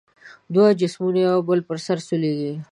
دوه جسمونه یو پر بل سره وسولیږي.